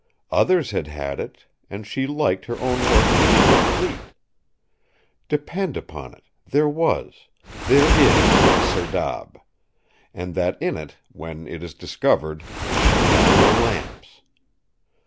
Others had had it, and she liked her own work to be complete. Depend upon it, there was—there is—a serdab; and that in it, when it is discovered, we shall find the lamps.